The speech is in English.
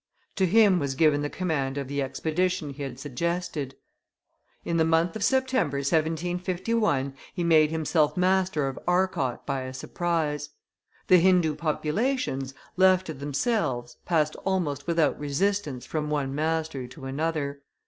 To him was given the command of the expedition he had suggested. In the month of September, 1751, he made himself master of Arcot by a surprise. The Hindoo populations, left to themselves, passed almost without resistance from one master to another.